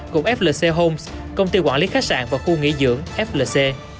gồm flc homes công ty quản lý khách sạn và khu nghỉ dưỡng flc